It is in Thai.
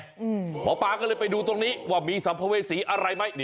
หมอปลาก็เลยไปดูตรงนี้ว่ามีสัมภเวษีอะไรไหม